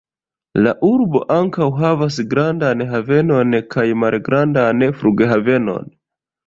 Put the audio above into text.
La urbo ankaŭ havas grandan havenon kaj malgrandan flughavenon.